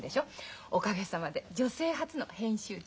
おかげさまで女性初の編集長。